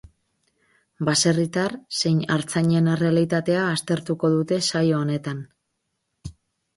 Baserritar zein artzainen errealitatea aztertuko dute saio honetan.